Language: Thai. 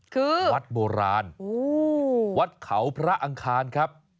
คือวัดโบราณวัดเขาพระอังคารครับ